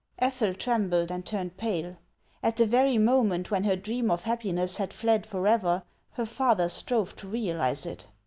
Ethel trembled and turned pale , at the veiy moment when her dream of happiness had fled forever, her father strove to realize it.